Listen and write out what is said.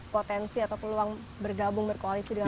potensi atau peluang bergabung berkoalisi dengan